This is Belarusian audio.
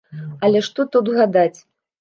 Але што тут гадаць.